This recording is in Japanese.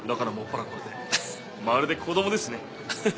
まるで子供ですね。